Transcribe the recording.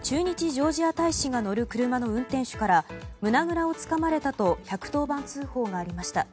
ジョージア大使が乗る車の運転手から胸ぐらをつかまれたと１１０番通報がありました。